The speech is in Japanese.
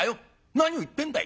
何を言ってんだい。